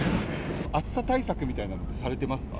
暑さ対策みたいなのってされてますか。